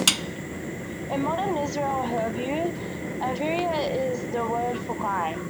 In Modern Israeli Hebrew, "aveira" is the word for crime.